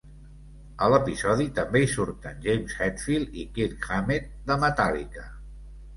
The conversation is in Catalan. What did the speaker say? A l'episodi també hi surten James Hetfield i Kirk Hammett de Metallica.